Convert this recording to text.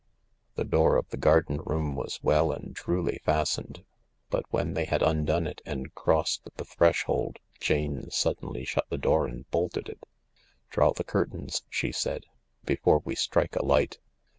The door of the garden room was well and truly fastened. But when they had undone it and crossed the threshold Jane suddenly shut the door and bolted it. " Draw the curtains," she said, " before we strike a light."